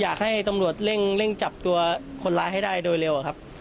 อยากให้ตำรวจเร่งจับตัวคนร้ายให้ได้โดยเร็วครับ